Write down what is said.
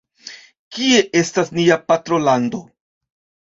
Kie estas nia patrolando?